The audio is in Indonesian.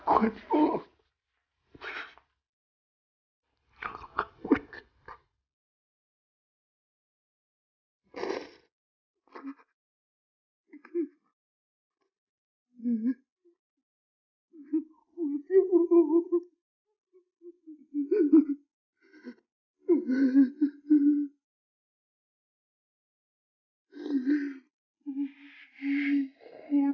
k energia merupakan